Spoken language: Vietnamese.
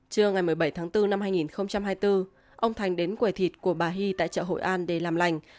trưa ngày một mươi bảy tháng bốn năm hai nghìn hai mươi bốn ông thành đến quầy thịt của bà hy tại chợ hội an để làm lành